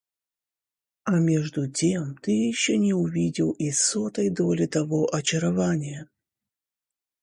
А между тем ты еще не увидел и сотой доли того очарования